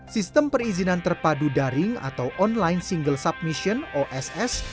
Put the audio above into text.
sistem perizinan terpadu daring atau online single submission oss